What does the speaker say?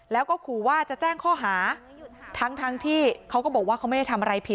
แล้วก็ขู่ว่าจะแจ้งข้อหาทั้งทั้งที่เขาก็บอกว่าเขาไม่ได้ทำอะไรผิด